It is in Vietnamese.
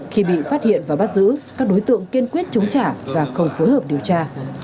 khi bị phát hiện và bắt giữ các đối tượng kiên quyết chống trả và không phối hợp điều tra